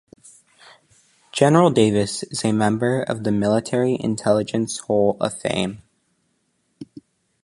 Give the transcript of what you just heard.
General Davis is a member of the Military Intelligence Hall of Fame.